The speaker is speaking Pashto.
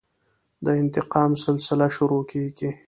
د انتقام سلسله شروع کېږي.